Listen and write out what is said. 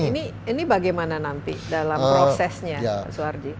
nah ini bagaimana nanti dalam prosesnya soeharji